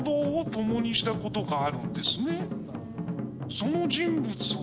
その人物は。